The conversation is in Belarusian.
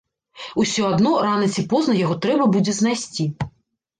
Усё адно рана ці позна яго трэба будзе знайсці.